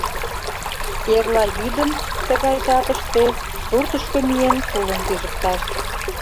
Эрла йӱдым, тыгай жапыште, суртышко миен, тулым пижыкташ.